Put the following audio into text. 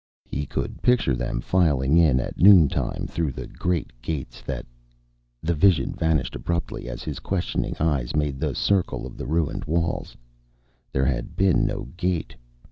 He could picture them filing in at noontime through the great gates that The vision vanished abruptly as his questing eyes made the circle of the ruined walls. There had been no gate.